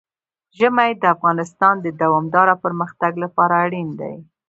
ژمی د افغانستان د دوامداره پرمختګ لپاره اړین دي.